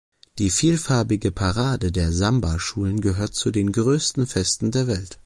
Die vielfarbige Parade der Sambaschulen gehört zu den größten Festen der Welt.